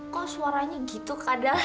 kok suaranya gitu kadal